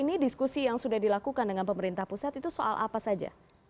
ini diskusi yang sudah dilakukan dengan pemerintah pusat itu soal apa saja